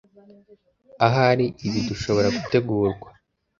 Ahari ibi dushoboragutegurwa.